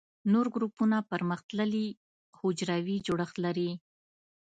نور ګروپونه پرمختللي حجروي جوړښت لري.